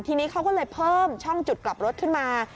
ทีนี้เขาก็เลยเพิ่มช่องจุดกลับรถขึ้นมา